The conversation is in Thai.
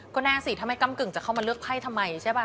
ก็แน่สิถ้าไม่กำกึ่งจะเข้ามาเลือกไพ่ทำไมใช่ป่ะ